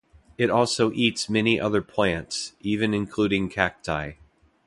It also eats many other plants, even including cacti.